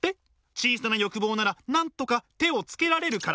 小さな欲望ならなんとか手をつけられるから。